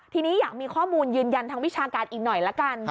ทีนี้อยากมีข้อมูลยืนยันทางวิชาการอีกหน่อยละกัน